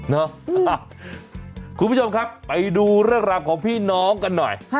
คุณผู้ชมครับไปดูเรื่องราวของพี่น้องกันหน่อย